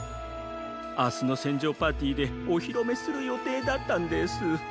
あすのせんじょうパーティーでおひろめするよていだったんです。